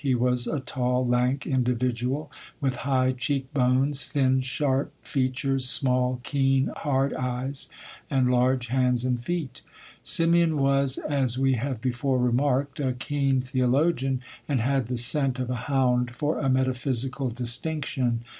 He was a tall, lank individual, with high cheek bones, thin, sharp features, small, keen, hard eyes, and large hands and feet. Simeon was, as we have before remarked, a keen theologian, and had the scent of a hound for a metaphysical distinction.